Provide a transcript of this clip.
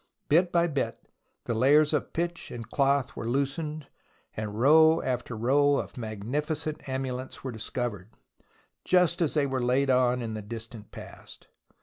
... Bit by bit the layers of pitch and cloth were loosened, and row after row of magnificent amulets were disclosed, just as they were laid on in the distant past.